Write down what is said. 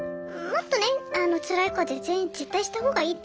もっとねつらい子は絶縁絶対した方がいいと。